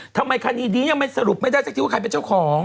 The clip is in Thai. ทำไมคดีนี้ยังไม่สรุปไม่ได้สักทีว่าใครเป็นเจ้าของ